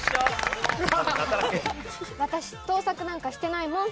私、盗作なんかしてないもん！